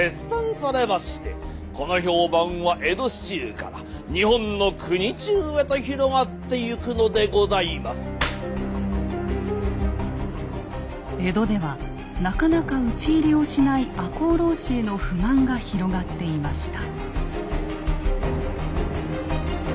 かくして江戸ではなかなか討ち入りをしない赤穂浪士への不満が広がっていました。